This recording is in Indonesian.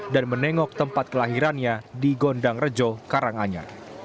dan menengok tempat kelahirannya di gondang rejo karanganya